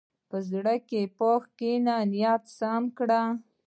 په زړه پاکۍ کښېنه، نیت سم کړه.